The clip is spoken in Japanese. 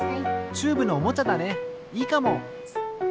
チューブのおもちゃだねいいかも。